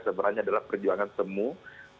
sebenarnya adalah perjuangan semua